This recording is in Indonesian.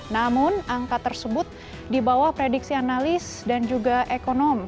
namun angka tersebut di bawah prediksi analis dan juga ekonom